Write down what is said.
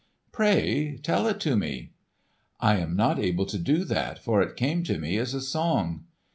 "Pray tell it to me." "I am not able to do that, for it came to me as a song."